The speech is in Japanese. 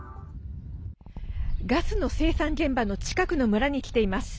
ガスの生産現場の近くの村に来ています。